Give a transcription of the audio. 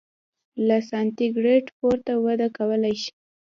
له سانتي ګراد پورته وده کولای شي.